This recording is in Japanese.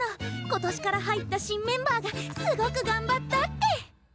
今年から入った新メンバーがすごく頑張ったって！